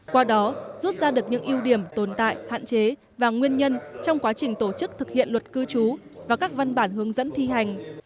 qua đó rút ra được những ưu điểm tồn tại hạn chế và nguyên nhân trong quá trình tổ chức thực hiện luật cư trú và các văn bản hướng dẫn thi hành